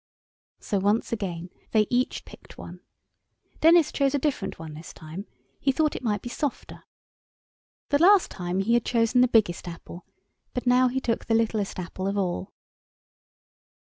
So once again they each picked one. Denis chose a different one this time. He thought it might be softer. The last time he had chosen the biggest apple—but now he took the littlest apple of all.